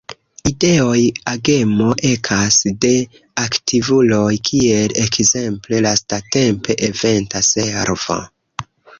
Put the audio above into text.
Ideoj, agemo ekas de aktivuloj kiel ekzemple lastatempe Eventa Servo.